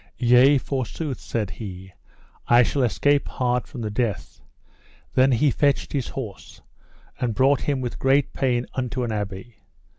Yea forsooth, said he, I shall escape hard from the death. Then he fetched his horse, and brought him with great pain unto an abbey.